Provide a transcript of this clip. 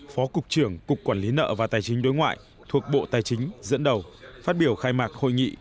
phó cục trưởng cục quản lý nợ và tài chính đối ngoại thuộc bộ tài chính dẫn đầu phát biểu khai mạc hội nghị